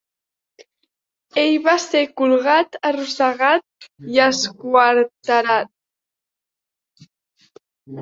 Ell va ser colgat, arrossegat i esquarterat.